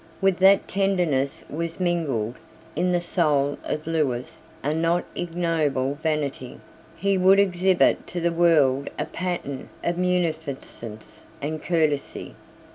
With that tenderness was mingled, in the soul of Lewis, a not ignoble vanity. He would exhibit to the world a pattern of munificence and courtesy.